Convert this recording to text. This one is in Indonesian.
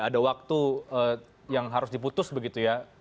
ada waktu yang harus diputus begitu ya